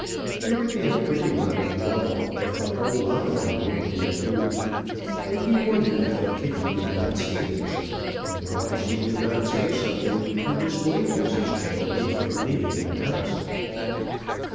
There would be a pretty lot of trouble if the whole lot of them went in a group, and he wondered that Kitty did not see this, and why she did not say something to dissuade Mrs. Fenelby from leaving the house.